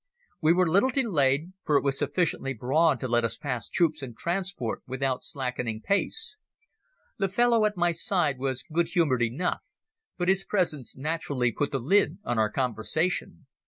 We were little delayed, for it was sufficiently broad to let us pass troops and transport without slackening pace. The fellow at my side was good humoured enough, but his presence naturally put the lid on our conversation.